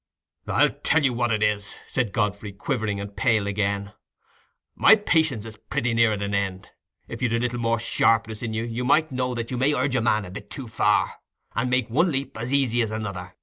"I'll tell you what it is," said Godfrey, quivering, and pale again, "my patience is pretty near at an end. If you'd a little more sharpness in you, you might know that you may urge a man a bit too far, and make one leap as easy as another.